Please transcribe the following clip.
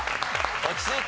落ち着いて！